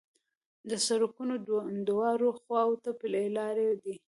د سړکونو دواړو خواوو ته پلي لارې دي.